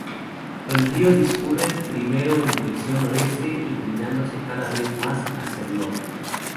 El río discurre primero en dirección Noroeste, inclinándose cada vez más hacia el Norte.